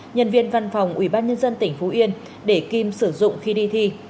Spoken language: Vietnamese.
nhân viên văn phòng ubnd tỉnh phú yên để kim sử dụng khi đi thi